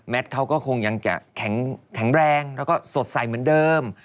เขาก็คงยังจะแข็งแรงแล้วก็สดใสเหมือนเดิม